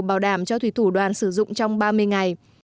bảo đảm cho thủy thủ đoàn sử dụng trong ba mươi ngày